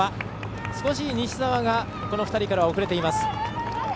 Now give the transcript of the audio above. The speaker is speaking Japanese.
少し西澤がこの２人から遅れています。